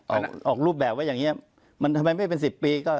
ออกออกรูปแบบว่าอย่างนี้มันทำไมไม่เป็น๑๐ปีก็